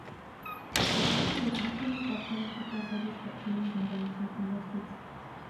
Mercosur je klíčovým partnerem také z hlediska přímých zahraničních investic.